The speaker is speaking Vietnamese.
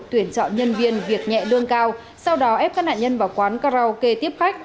tuyển chọn nhân viên việc nhẹ lương cao sau đó ép các nạn nhân vào quán karaoke tiếp khách